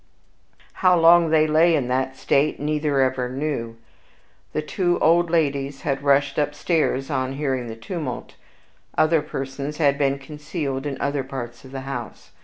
How long they lay in this state neither ever knew. The two old ladies had rushed upstairs on hearing the tumult. Other persons had been concealed in other parts of the house.